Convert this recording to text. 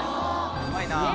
うまいなあ！